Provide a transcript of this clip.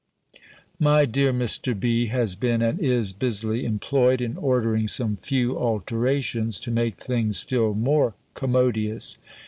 My dear Mr. B. has been, and is, busily employed in ordering some few alterations, to make things still more commodious.